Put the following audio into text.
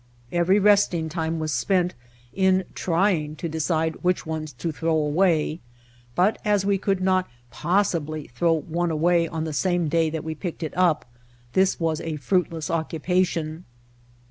Every resting time was spent in trying to decide which ones to throw away, but White Heart of Mojave as we could not possibly throw one away on the same day that we picked it up, this was a fruit less occupation.